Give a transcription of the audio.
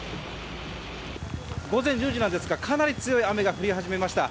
午前１０時なんですがかなり強い雨が降り始めました。